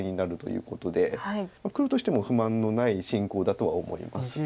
黒としても不満のない進行だとは思います。